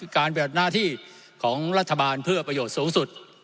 การแบบหน้าที่ของรัฐบาลเพื่อประโยชน์สูงสุด